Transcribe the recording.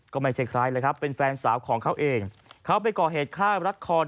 ก็ไม่ใช่ใครเลยครับเป็นแฟนสาวของเขาเองเขาไปก่อเหตุฆ่ารัดคอ